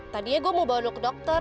tadinya gue mau bawa ke dokter